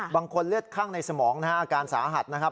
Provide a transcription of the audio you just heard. บางคนเลือดข้างในสมองนะฮะอาการสาหัสนะครับ